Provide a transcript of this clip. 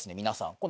皆さん。